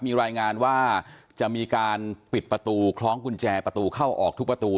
มีรายงานว่าจะมีการปิดประตูคล้องกุญแจประตูเข้าออกทุกประตู